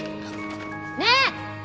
ねえ！